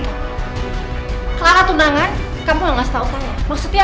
clara tunangan kamu yang ngasih tau saya